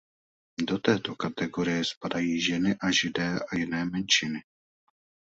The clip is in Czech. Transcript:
Do této kategorie spadají ženy a Židé a jiné menšiny.